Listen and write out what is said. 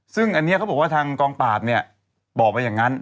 ซึ่งอันนี้เขาบอกว่าทางกองปราบเนี่ยบอกไปอย่างนั้น